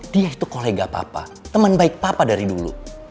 dia itu kolega papa teman baik papa dari dulu